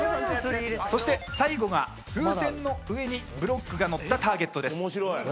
そして最後が風船の上にブロックが載ったターゲットです。